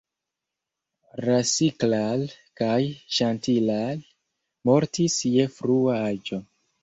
Rasiklal kaj Ŝantilal mortis je frua aĝo.